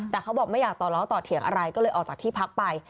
แต่เขาบอกไม่อยากต่อล้อต่อเถียงอะไรก็เลยออกจากที่พักไป